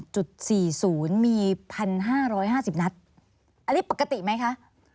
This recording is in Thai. จุด๔๐๐มี๑๕๕๐ณอันนี้ปกติไหมคะ